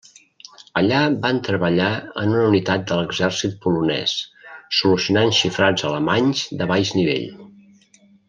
Allà van treballar en una unitat de l'exèrcit polonès, solucionant xifrats alemanys de baix nivell.